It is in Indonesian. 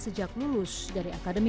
sejak lulus dari akademi